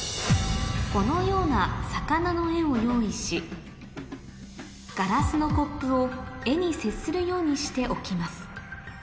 このような魚の絵を用意しガラスのコップを絵に接するようにして置きます